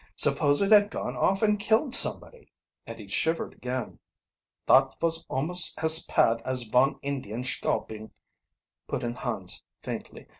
Supposing it had gone off and killed somebody?" And he shivered again. "Dot vos almost as pad as von Indian's schalping," put in Hans faintly.